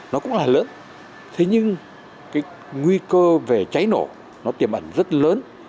nó cũng là lớn thế nhưng cái nguy cơ về cháy nổ nó tiềm ẩn rất lớn